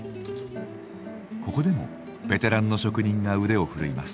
ここでもベテランの職人が腕を振るいます。